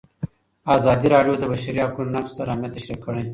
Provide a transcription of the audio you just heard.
ازادي راډیو د د بشري حقونو نقض ستر اهميت تشریح کړی.